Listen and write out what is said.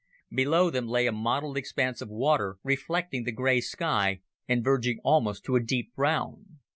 Below them lay a mottled expanse of water, reflecting the gray sky, and verging almost to a deep brown.